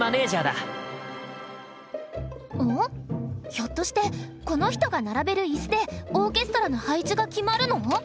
ひょっとしてこの人が並べるイスでオーケストラの配置が決まるの？